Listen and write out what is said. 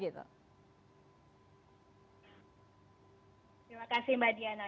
terima kasih mbak diana